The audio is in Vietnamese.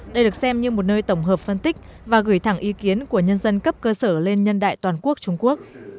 đây được xem như một nơi tổng hợp phân tích và gửi thẳng ý kiến của nhân dân cấp cơ sở lên nhân đại toàn quốc trung quốc